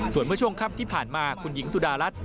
ส่วนเมื่อช่วงค่ำที่ผ่านมาคุณหญิงสุดารัฐ